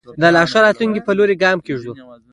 د لا ښه راتلونکي په لوري ګام کېږدو.